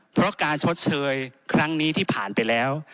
เพราะการชดเชยครั้งนี้ที่ผ่านไปแล้ว